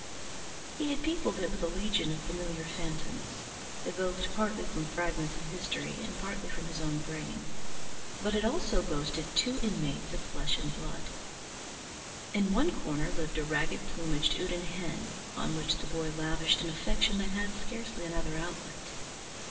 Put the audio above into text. He had peopled it with a legion of familiar phantoms, evoked partly from fragments of history and partly from his own brain, but it also boasted two inmates of flesh and blood. In one corner lived a ragged plumaged Houdan hen, on which the boy lavished an affection that had scarcely another outlet.